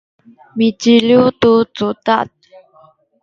micaliw tu cudad